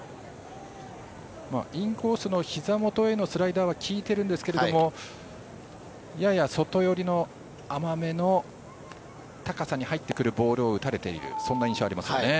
インコースのひざ元へのスライダーは効いているんですけどもやや外寄りの甘めの高さに入ってくるボールを打たれている印象がありますね。